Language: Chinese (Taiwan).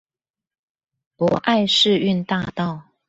博愛世運大道